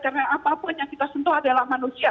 karena apa pun yang kita sentuh adalah manusia